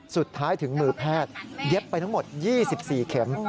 สุดท้ายถึงมือแพทย์เย็บไปทั้งหมด๒๔เข็ม